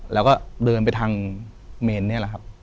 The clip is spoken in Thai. แล้วก็เดินไปทางเมนนี่แหละครับ